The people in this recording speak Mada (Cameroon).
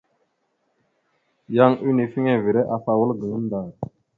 Yan unifiŋere afa wal gaŋa ndar.